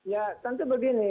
ya tentu begini